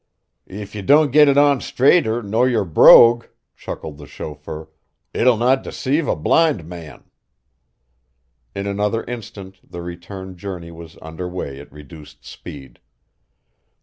"If ye don't git it on straighter nor your brogue," chuckled the chauffeur, "it'll not decave a blind man." In another instant the return journey was under way at reduced speed.